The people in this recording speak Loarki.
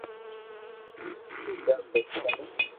ھون پوجا ڪوئيي ڪرو